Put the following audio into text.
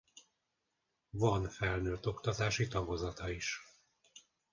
Van felnőttoktatási tagozata is.